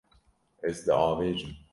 Ez diavêjim.